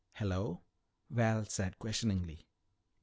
"Hello," Val said questioningly.